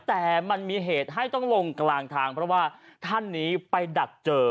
แต่มันมีเหตุให้ต้องลงกลางทางเพราะว่าท่านนี้ไปดักเจอ